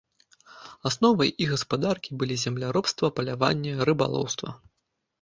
Асновай іх гаспадаркі былі земляробства, паляванне, рыбалоўства.